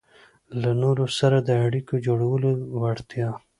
-له نورو سره د اړیکو جوړولو وړتیا